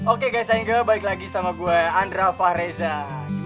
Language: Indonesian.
oke guys saya indra balik lagi sama gue andra fahrizat